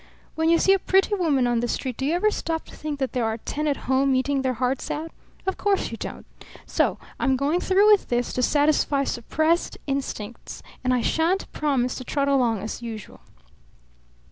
When you see a pretty woman on the street do you ever stop to think that there are ten at home eating their hearts out? Of course you don't. So I'm going through with this, to satisfy suppressed instincts; and I shan't promise to trot along as usual."